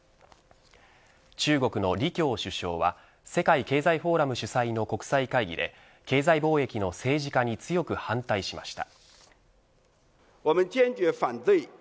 中国の李強首相は世界経済フォーラム主催の国際会議で経済貿易の政治化に強く反対しました。